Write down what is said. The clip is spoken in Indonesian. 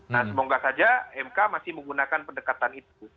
nah semoga saja mk masih menggunakan pendekatan itu